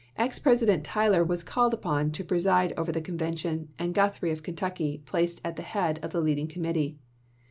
Ex President Tyler was called to preside over the convention, and Guthrie, of Kentucky, placed at the head of the leading committee.